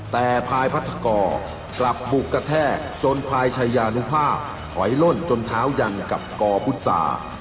แต่พายพัทกรกลับบุกกระแทกจนพายชายานุภาพถอยล่นจนเท้ายันกับกอพุษา